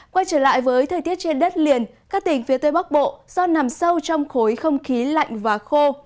quay trở lại với thời tiết trên đất liền các tỉnh phía tây bắc bộ do nằm sâu trong khối không khí lạnh và khô